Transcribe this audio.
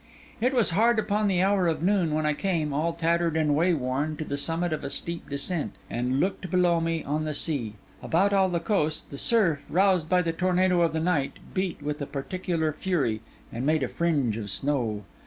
It was hard upon the hour of noon, when I came, all tattered and wayworn, to the summit of a steep descent, and looked below me on the sea. About all the coast, the surf, roused by the tornado of the night, beat with a particular fury and made a fringe of snow.